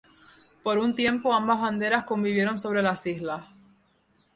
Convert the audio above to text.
Por un tiempo ambas banderas convivieron sobre las islas.